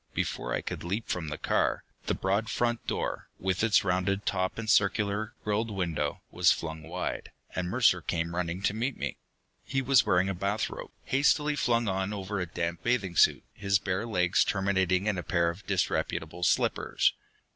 Before I could leap from the car, the broad front door, with its rounded top and circular, grilled window, was flung wide, and Mercer came running to meet me. He was wearing a bathrobe, hastily flung on over a damp bathing suit, his bare legs terminating in a pair of disreputable slippers.